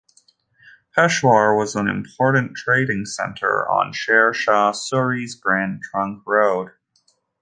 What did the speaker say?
Peshawar was an important trading centre on Sher Shah Suri's Grand Trunk Road.